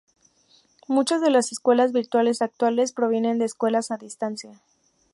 Muchas de las escuelas virtuales actuales provienen de escuelas a distancia.